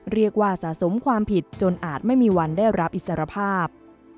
สะสมความผิดจนอาจไม่มีวันได้รับอิสรภาพ